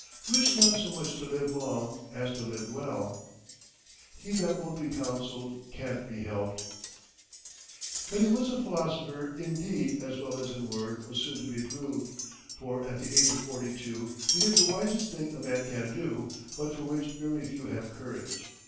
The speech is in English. Wish not so much to live long as to live well. He that won't be counselled can't be helped. That he was a philosopher in deed as well as in word was soon to be proved, for, at the age of forty two, he did the wisest thing a man can do, but for which very few have courage.